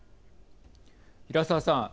平沢さん。